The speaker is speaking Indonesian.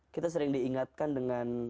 kita sering diingatkan dengan